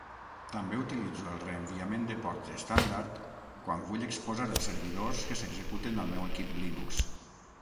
També utilitzo el reenviament de ports estàndard quan vull exposar els servidors que s'executen al meu equip Linux.